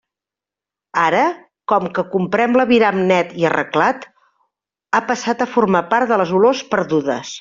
Ara, com que comprem l'aviram net i arreglat, ha passat a formar part de les olors perdudes.